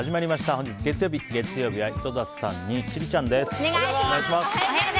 本日月曜日、月曜日は井戸田さんに千里ちゃんです。